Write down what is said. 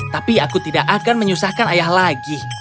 tapi aku tidak akan menyusahkan ayah lagi